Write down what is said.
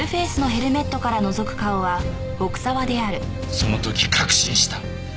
その時確信した。